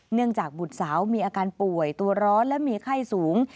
เนื่องจากบุตรสาวมีอาการป่วยตัวร้อนและมีไข้สูง